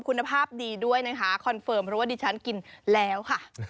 คุณภาพดีด้วยนะคะคอนเฟิร์มเพราะว่าดิฉันกินแล้วค่ะ